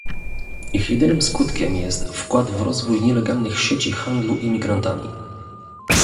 Ich jedynym skutkiem jest wkład w rozwój nielegalnych sieci handlu imigrantami